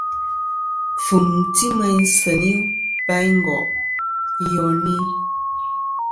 Kfɨ̀m ti meyn seyn i balingo' iyoni.